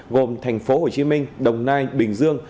gồm thành phố hồ chí minh đồng nai bình dương